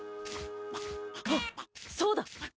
はっ、そうだ！